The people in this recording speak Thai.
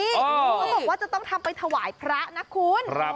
เขาบอกว่าจะต้องทำไปถวายพระนะคุณ